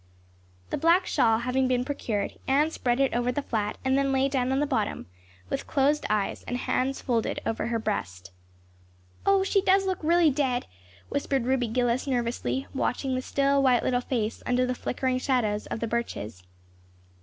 The black shawl having been procured, Anne spread it over the flat and then lay down on the bottom, with closed eyes and hands folded over her breast. "Oh, she does look really dead," whispered Ruby Gillis nervously, watching the still, white little face under the flickering shadows of the birches.